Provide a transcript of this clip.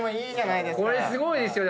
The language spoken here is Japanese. これすごいですよね。